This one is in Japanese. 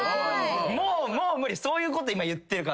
「もう無理そういうこと今言ってるから」